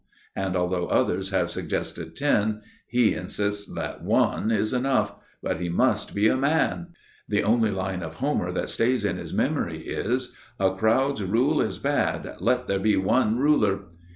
And although others have suggested ten, he insists that one is enough, but he must be a man. The only line of Homer that stays in his memory is: "A crowd's rule is bad; let there be one ruler."